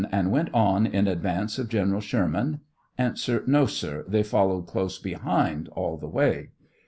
And went on in advance of General Sherman ? A. So, sir ; they followed close behind all the way.